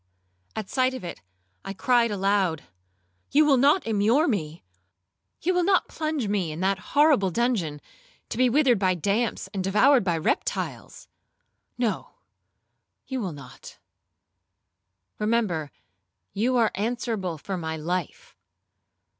At sight of it I cried aloud, 'You will not immure me? You will not plunge me in that horrible dungeon, to be withered by damps, and devoured by reptiles? No, you will not,—remember you are answerable for my life.'